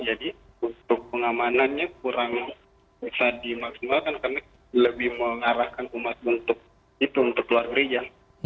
jadi untuk pengamanannya kurang bisa dimaksimalkan karena lebih mengarahkan umat untuk itu untuk keluar gereja